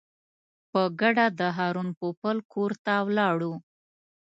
په ګډه د هارون پوپل کور ته ولاړو.